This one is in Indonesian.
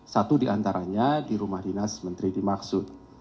satu diantaranya di rumah dinas menteri dimaksud